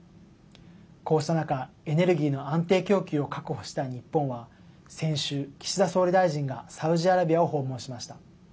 こうした中、エネルギーの安定供給を確保したい日本は先週、岸田総理大臣がサウジアラビアを訪問しました。